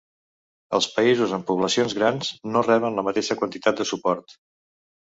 Els països amb poblacions grans no reben la mateixa quantitat de suport.